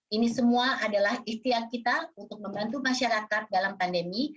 ini semua adalah ikhtiar kita untuk membantu masyarakat dalam pandemi